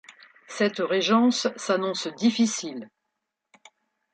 Cette régence s'annonce difficile.